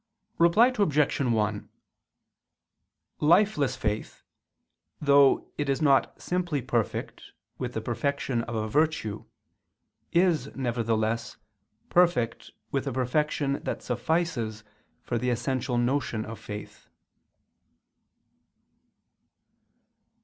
Reply Obj. 1: Lifeless faith, though it is not simply perfect with the perfection of a virtue, is, nevertheless, perfect with a perfection that suffices for the essential notion of faith.